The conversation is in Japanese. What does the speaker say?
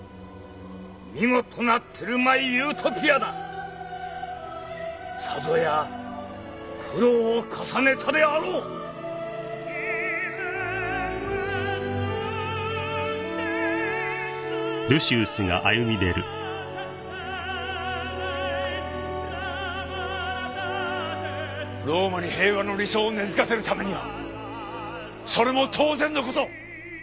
見事なテルマエ・ユートピアださぞや苦労を重ねたであろうローマに平和の理想を根付かせるためにはそれも当然のこと